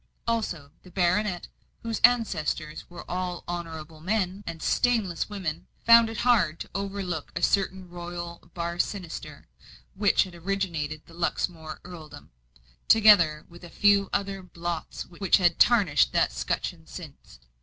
Also the baronet, whose ancestors were all honourable men and stainless women, found it hard to overlook a certain royal bar sinister, which had originated the Luxmore earldom, together with a few other blots which had tarnished that scutcheon since.